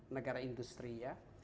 negara industri ya